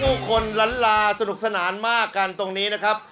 ทุกคนล้านลาสนุกสนานมากกันตรงนี้นะครับ